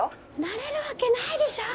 慣れるわけないでしょ。